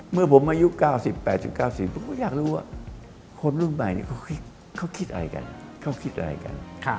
เมื่อผมอายุ๙๐๘๐อยากรู้ว่าคนรุ่นใหม่นี่เขาคิดอะไรกัน